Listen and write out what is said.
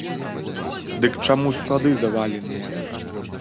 Дык чаму склады заваленыя?